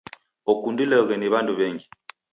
Okundiloghe ni w'andu w'engi.